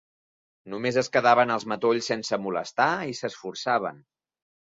Només es quedaven als matolls sense molestar i s'esforçaven.